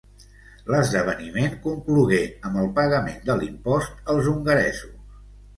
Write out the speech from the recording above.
L'esdeveniment conclogué amb el pagament de l'impost als hongaresos.